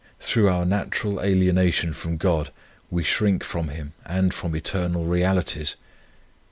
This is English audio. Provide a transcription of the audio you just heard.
Through our natural alienation from God we shrink from Him, and from eternal realities.